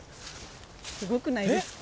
すごくないですか？